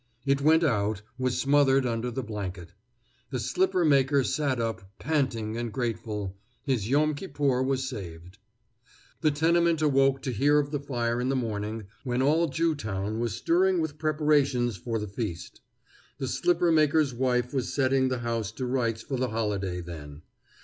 It went out, was smothered under the blanket. The slipper maker sat up, panting and grateful. His Yom Kippur was saved. The tenement awoke to hear of the fire in the morning, when all Jewtown was stirring with preparations for the feast. The slipper maker's wife was setting the house to rights for the holiday then.